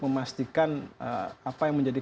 memastikan apa yang menjadi